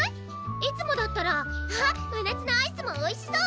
いつもだったら「あっまなつのアイスもおいしそう」